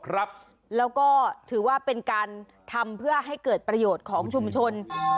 แล้วก็ถือว่าเป็นการทำเพื่อให้เกิดประโยชน์ของชุมชน